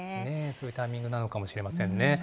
そういうタイミングなのかもしれませんね。